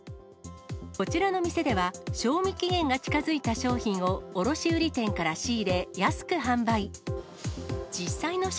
こちらの店では、賞味期限が近づいた商品を卸売り店から仕入れ、安く販売。